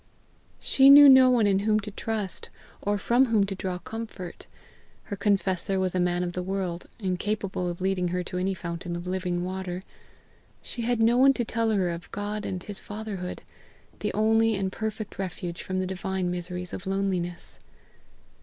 She knew no one in whom to trust, or from whom to draw comfort; her confessor was a man of the world, incapable of leading her to any fountain of living water; she had no one to tell her of God and his fatherhood, the only and perfect refuge from the divine miseries of loneliness.